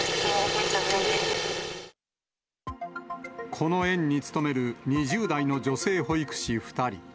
この園に勤める２０代の女性保育士２人。